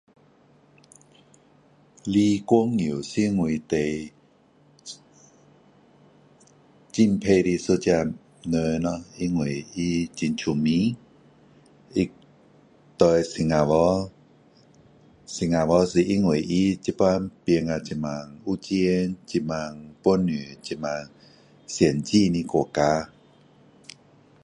李光耀是我最敬佩的一个人呢。因为他很聪明，他对新加坡，新加坡是因为他现在变成这么有钱，这么本事，这么先进的国家。